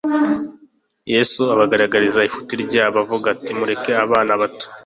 Yesu abagaragariza ifuti ryabo, avuga ati : "Mureke abana bato,